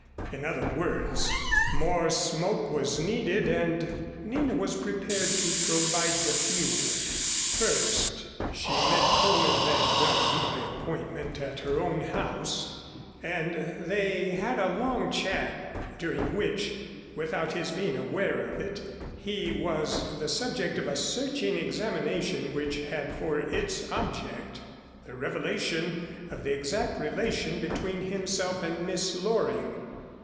In other words, more smoke was needed and Nina was prepared to provide the fuel. First she met Coleman Van Duyn by appointment at her own house, and they had a long chat, during which, without his being aware of it, he was the subject of a searching examination which had for its object the revelation of the exact relation between himself and Miss Loring.